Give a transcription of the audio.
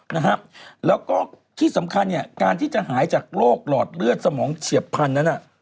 นะฮะแล้วก็ที่สำคัญเนี่ยการที่จะหายจากโรคหลอดเลือดสมองเฉียบพันธุ์นั้นน่ะ